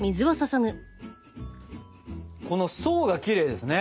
この層がきれいですね！